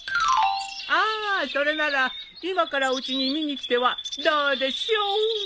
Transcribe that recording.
あそれなら今からうちに見に来てはどうでしょう？